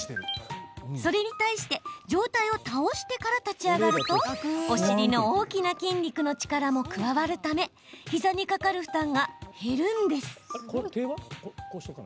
それに対して上体を倒してから立ち上がるとお尻の大きな筋肉の力も加わるため膝にかかる負担が減るんです。